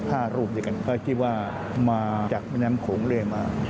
ห้ารูปอยู่กันเพราะที่ว่ามาจากน้ำโขงเลมา